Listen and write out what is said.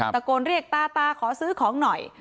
ตะโกนเรียกตาตาขอซื้อของหน่อย